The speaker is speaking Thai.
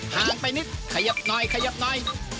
ห่างไปนิดขยับนอนหน่อย